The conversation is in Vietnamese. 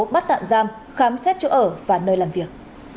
bắt tạm giam khám xét chỗ ở và nơi làm việc